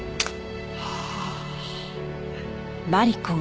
ああ。